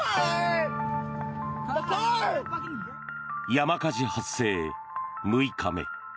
山火事発生６日目。